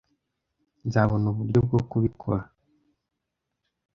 Nzabona uburyo bwo kubikora.